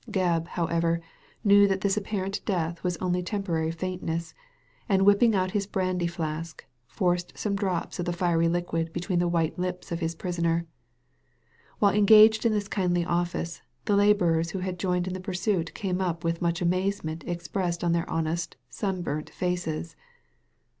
Gebb, however, knew that this apparent death was only a temporary faintness, and whipping out his brandy flask, forced some drops of the fiery liquid between the white lips of his prisoner. While engaged in this kindly office, the labourers who had joined in the pursuit came up with much amazement expressed on their honest, sunburnt faces.